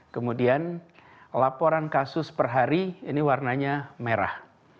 kemudian laporan kasus per hari ini warnanya merah